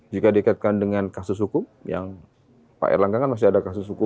jika dikaitkan dengan kasus hukum yang pak erlangga kan masih ada kasus hukum